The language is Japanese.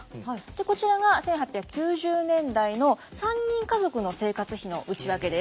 こちらが１８９０年代の３人家族の生活費の内訳です。